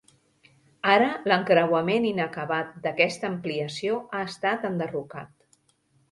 Ara l'encreuament inacabat d'aquesta ampliació ha estat enderrocat.